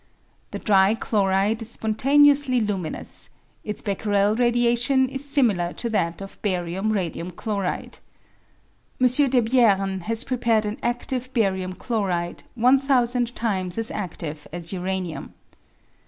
The dry chloride is spontaneously luminous ; its Becquerel radiation is similar to that of barium radium chloride. M. Debierne has prepared an adive barium chloride 1000 times as adive as uranium.